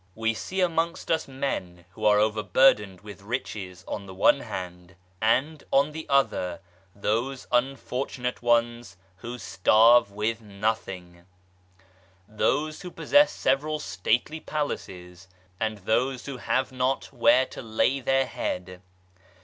We see amongst us men who are overburdened with riches on the one hand, and on the other those unfortun ate ones who starve with nothing ; those who possess MEANS OF EXISTENCE 141 several stately palaces, and those who have not where to lay their head.